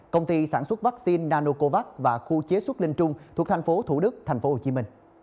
công ty sản xuất vaccine nanocovax và khu chế xuất linh trung thuộc tp thủ đức tp hcm